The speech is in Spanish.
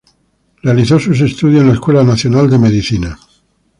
Realizó sus estudios en la Escuela Nacional de Medicina.